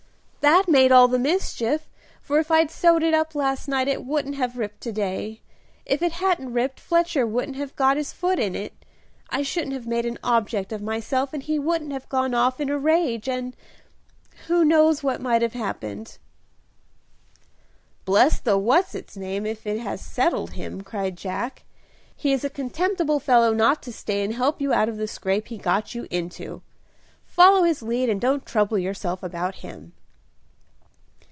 That made all the mischief, for if I'd sewed it last night it wouldn't have ripped to day; if it hadn't ripped Fletcher wouldn't have got his foot in it, I shouldn't have made an object of myself, he wouldn't have gone off in a rage, and who knows what might have happened?" "Bless the what's its name if it has settled him," cried Jack. "He is a contemptible fellow not to stay and help you out of the scrape he got you into. Follow his lead and don't trouble yourself about him."